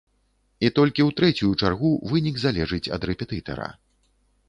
І толькі ў трэцюю чаргу вынік залежыць ад рэпетытара.